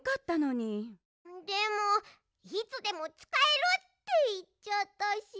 でも「いつでもつかえる」っていっちゃったし。